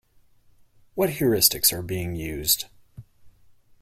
What heuristics are being used?